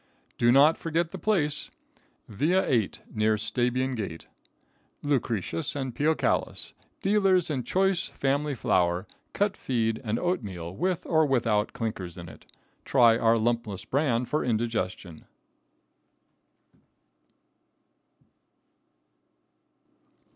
Do not forget the place, Via VIII, near Stabian gate. Lucretius & Peocalus, Dealers in choice family flour, cut feed and oatmeal with or without clinkers in it. Try our lumpless bran for indigestion.